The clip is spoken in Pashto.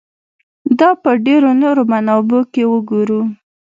دا په ډېرو نورو منابعو کې وګورو.